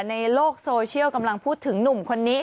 ในโลกโซเชียลกำลังพูดถึงหนุ่มคนนี้